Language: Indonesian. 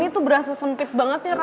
ga pernah setara dengan si cinta